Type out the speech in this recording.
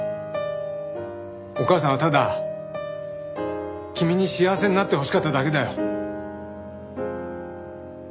お母さんはただ君に幸せになってほしかっただけだよ。